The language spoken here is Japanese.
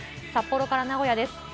札幌から名古屋です。